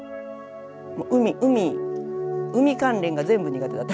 海海海関連が全部苦手だった。